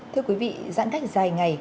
thưa quý vị giãn cách dài ngày